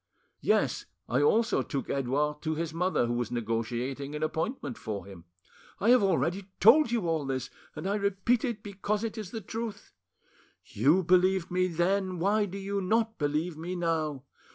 Yes, I also took Edouard to his mother, who was negotiating an appointment for him. I have already told you all this, and I repeat it because it is the truth. You believed me then: why do you not believe me now?